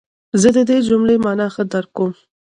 زه د دې جملې مانا ښه درک کوم.